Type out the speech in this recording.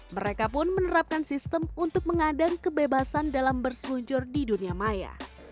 mereka pun menerapkan sistem untuk mengadang kebebasan dalam berseluncur di dunia maya